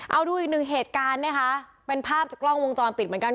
เอาดูอีกหนึ่งเหตุการณ์นะคะเป็นภาพจากกล้องวงจรปิดเหมือนกัน